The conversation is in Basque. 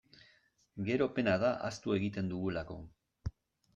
Gero, pena da, ahaztu egiten dugulako.